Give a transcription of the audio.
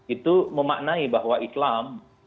itu memaknai bahwa islam